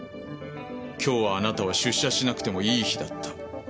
今日はあなたは出社しなくてもいい日だった。